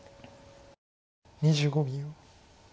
２５秒。